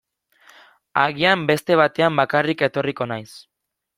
Agian beste batean bakarrik etorriko naiz.